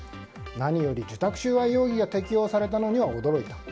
何より自宅収賄容疑が適用されたのには驚いた。